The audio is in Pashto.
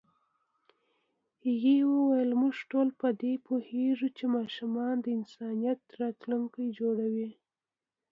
هغې وویل موږ ټول په دې پوهېږو چې ماشومان د انسانیت راتلونکی جوړوي.